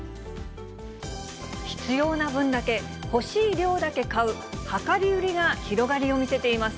必要な分だけ、欲しい量だけ買う、量り売りが広がりを見せています。